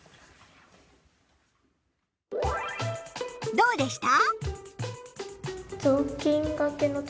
どうでした？